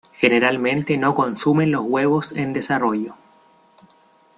Generalmente no consumen los huevos en desarrollo.